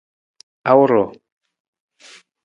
Awur ruu?